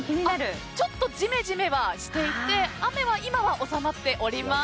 ちょっとジメジメはしていて雨は今は収まっております。